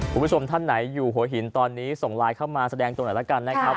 คุณผู้ชมท่านไหนอยู่หัวหินตอนนี้ส่งไลน์เข้ามาแสดงตัวหน่อยละกันนะครับ